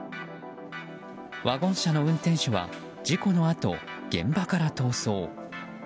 ワゴン車の運転手は事故のあと、現場から逃走。